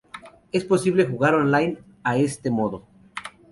Es posible jugar online a este modo.